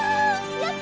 やった！